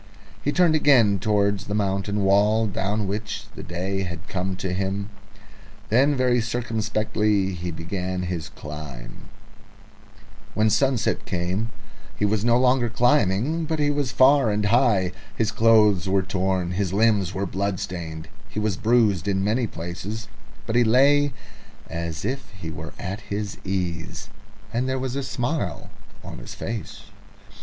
He turned again towards the mountain wall, down which the day had come to him. Then very circumspectly he began to climb. When sunset came he was no longer climbing, but he was far and high. He had been higher, but he was still very high. His clothes were torn, his limbs were blood stained, he was bruised in many places, but he lay as if he were at his ease, and there was a smile on his face.